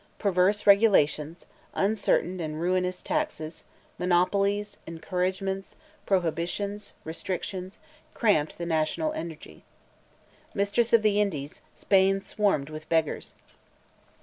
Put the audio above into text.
Perverse regulations, uncertain and ruinous taxes, monopolies, encouragements, prohibitions, restrictions, cramped the national energy. Mistress of the Indies, Spain swarmed with beggars.